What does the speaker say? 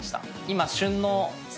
今旬の。